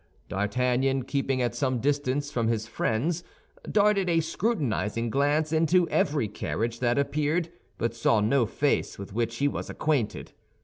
D'Artagnan, keeping at some distance from his friends, darted a scrutinizing glance into every carriage that appeared, but saw no face with which he was acquainted.